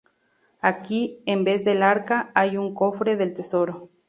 Aquí, en vez del arca, hay un cofre del tesoro.